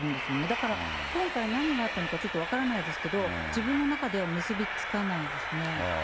だから今回、何があったのかちょっと分からないですけど、自分の中では結び付かないですね。